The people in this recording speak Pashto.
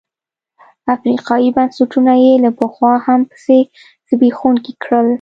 افریقايي بنسټونه یې له پخوا هم پسې زبېښونکي کړل.